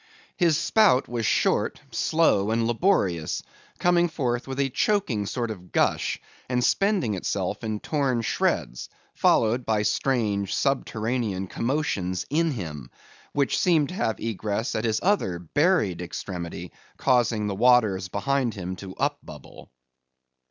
His spout was short, slow, and laborious; coming forth with a choking sort of gush, and spending itself in torn shreds, followed by strange subterranean commotions in him, which seemed to have egress at his other buried extremity, causing the waters behind him to upbubble.